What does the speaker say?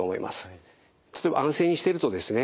例えば安静にしているとですね